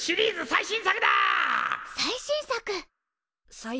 最新作？